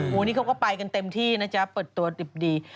วันนี้เขาก็ไปกันเต็มที่นะจ๊ะเปิดตัวดิบดี